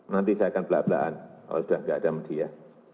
nanti saya akan belak belaan kalau sudah tidak ada media